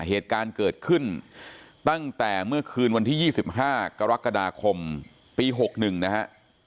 เหตุการณ์เกิดขึ้นตั้งแต่เมื่อคืนวันที่๒๕กรกฎาคมปี๖๑นะฮะ